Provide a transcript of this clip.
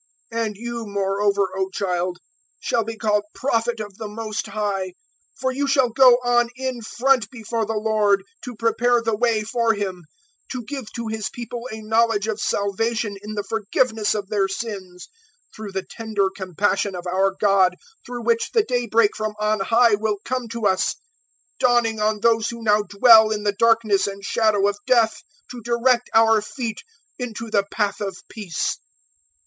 001:076 And you moreover, O child, shall be called Prophet of the Most High; For you shall go on in front before the Lord to prepare the way for Him, 001:077 To give to His People a knowledge of salvation In the forgiveness of their sins, 001:078 Through the tender compassion of our God, Through which the daybreak from on high will come to us, 001:079 Dawning on those who now dwell in the darkness and shadow of death To direct our feet into the path of peace."